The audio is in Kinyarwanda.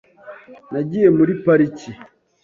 Nagiye muri pariki.